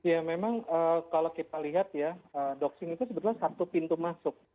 ya memang kalau kita lihat ya doxing itu sebetulnya satu pintu masuk